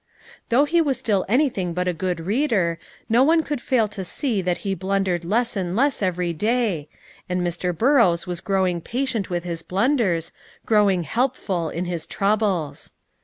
Though he was still anything but a good reader, no one could fail to see that he blundered less and less every day, and Mr. Burrows was growing patient with his blunders, growing helpful in his troubles.